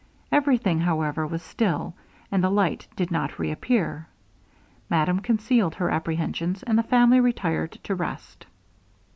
Everything, however, was still, and the light did not reappear. Madame concealed her apprehensions, and the family retired to rest.